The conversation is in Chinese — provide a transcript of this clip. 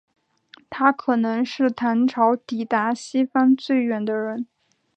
他可能是唐朝抵达西方最远的人。